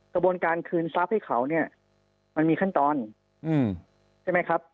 ระบวนการคืนเนื้อให้เขาเนี่ยมันมีขั้นตอนอืมเห็นไหมครับ